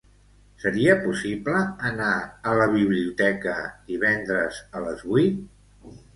Seria possible anar a la biblioteca divendres a les vuit?